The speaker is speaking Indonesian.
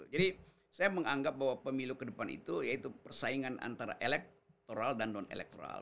jadi saya menganggap bahwa pemilu kedepan itu yaitu persaingan antara elektoral dan non elektoral